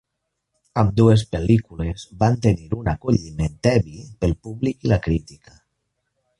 Ambdues pel·lícules van tenir un acolliment tebi pel públic i la crítica.